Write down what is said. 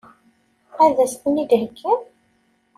Ad sen-ten-id-iheggi?